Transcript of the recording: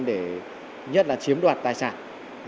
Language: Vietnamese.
để nhất là chiếm đoạt tài sản